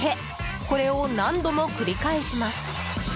これを何度も繰り返します。